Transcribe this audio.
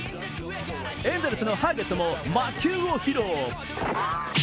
エンゼルスのハーゲットも魔球を披露。